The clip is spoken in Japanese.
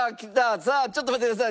さあちょっと待ってください。